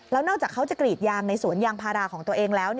แล้วนอกจากเขาจะกรีดยางในสวนยางพาราของตัวเองแล้ว